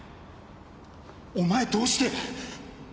お前どうして。